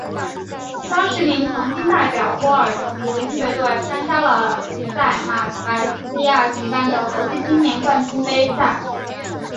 张池明曾经代表波尔图预备队参加了在马来西亚举办的国际青年冠军杯赛。